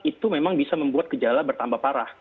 itu memang bisa membuat gejala bertambah parah